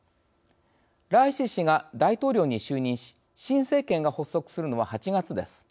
ライシ師が大統領に就任し新政権が発足するのは８月です。